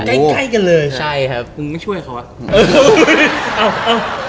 ใกล้กันเลยใช่ครับมึงไม่ช่วยเขาว่ะเออเอาเอา